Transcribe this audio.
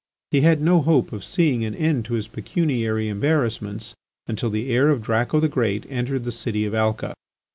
He had no hope of seeing an end to his pecuniary embarrassments until the heir of Draco the Great entered the city of Alca.